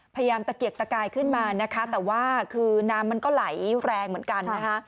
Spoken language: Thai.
ตะเกียกตะกายขึ้นมานะคะแต่ว่าคือน้ำมันก็ไหลแรงเหมือนกันนะคะ